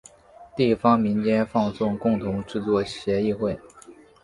地方民间放送共同制作协议会。